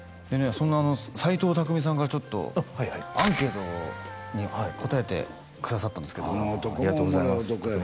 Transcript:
そんな斎藤工さんからちょっとアンケートに答えてくださったんですけどあの男もおもろい男やああありがとうございます